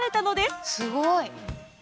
すごい！